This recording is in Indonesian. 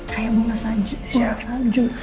kayak bunga saju